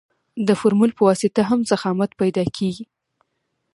د فورمول په واسطه هم ضخامت پیدا کیږي